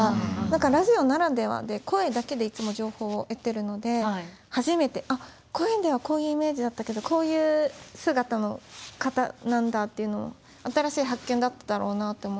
ラジオならではで声だけでいつも情報を得てるので初めて「あっ声ではこういうイメージだったけどこういう姿の方なんだ」っていうの新しい発見だっただろうなって思って。